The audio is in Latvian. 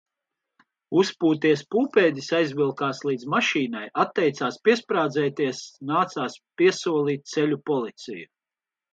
Uzpūties pūpēdis aizvilkās līdz mašīnai. Atteicās piesprādzēties, nācās piesolīt ceļu policiju.